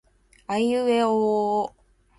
あいうえおおお